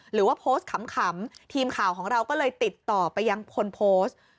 หรือว่าโพสต์ขำทีมข่าวของเราก็เลยติดต่อไปยังคนโพสต์